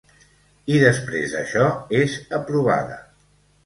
I després d’això és aprovada.